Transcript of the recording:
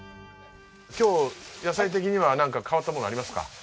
今日野菜的にはなんか変わったものありますか？